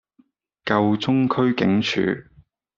舊中區警署